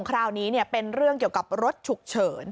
คราวนี้เป็นเรื่องเกี่ยวกับรถฉุกเฉิน